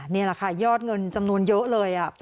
นี่แหละค่ะยอดเงินจำนวนเยอะเลย